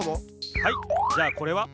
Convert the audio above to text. はいじゃあこれは？